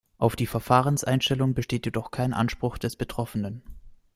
Auf die Verfahrenseinstellung besteht jedoch kein Anspruch des Betroffenen.